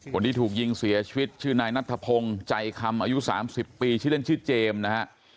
คนที่ถูกยิงเสียชีวิตชื่อนายนัทธพงศ์ใจคำอายุ๓๐ปีชื่อเล่นชื่อเจมส์นะฮะ